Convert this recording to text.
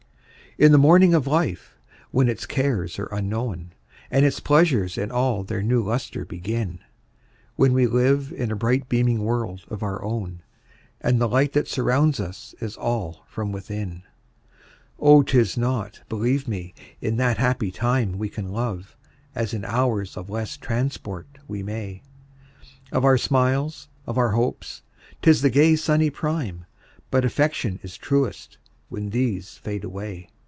In the morning of life, when its cares are unknown, And its pleasures in all their new lustre begin, When we live in a bright beaming world of our own, And the light that surrounds us is all from within; Oh 'tis not, believe me, in that happy time We can love, as in hours of less transport we may; Of our smiles, of our hopes, 'tis the gay sunny prime, But affection is truest when these fade away.